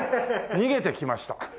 逃げてきました。